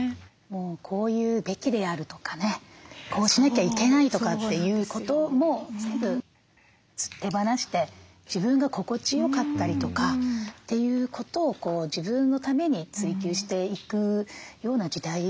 もうこういうべきであるとかねこうしなきゃいけないとかっていうことも全部手放して自分が心地よかったりとかっていうことを自分のために追求していくような時代なのかな。